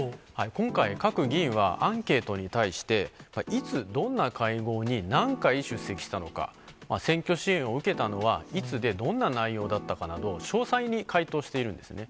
今回、各議員は、アンケートに対して、いつ、どんな会合に、何回出席したのか、選挙支援を受けたのはいつで、どんな内容だったかなど、詳細に回答しているんですね。